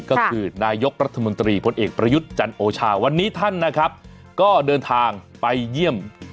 ก็คือนายกรัฐมนตรีพลเอกประยุทธ์จันโอชาวันนี้ท่านนะครับก็เดินทางไปเยี่ยม